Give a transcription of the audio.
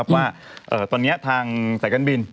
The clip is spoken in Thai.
ว่าตอนนี้ทางรักบิน